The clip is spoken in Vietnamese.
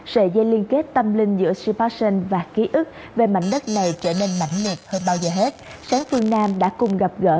sáng phương nam đã cùng gặp gỡ